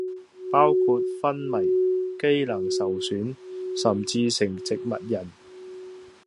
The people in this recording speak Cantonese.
包括昏迷，機能受損、甚至成植物人